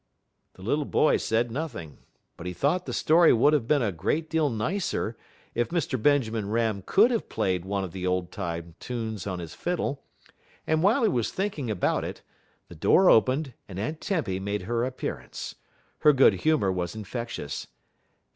The little boy said nothing, but he thought the story would have been a great deal nicer if Mr. Benjamin Ram could have played one of the old time tunes on his fiddle, and while he was thinking about it, the door opened and Aunt Tempy made her appearance. Her good humor was infectious.